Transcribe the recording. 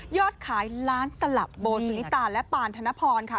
ขายล้านตลับโบสุนิตาและปานธนพรค่ะ